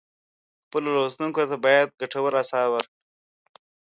خپلو لوستونکو ته باید ګټور آثار ورکړو.